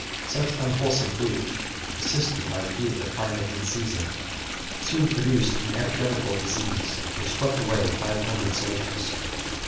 Such unwholesome food, assisted by the heat of the climate and season, soon produced an epidemical disease, which swept away five hundred soldiers.